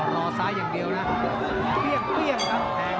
อ๋อรอซ้ายอย่างเดียวนะเปรี้ยงเปรี้ยงทั้งแผง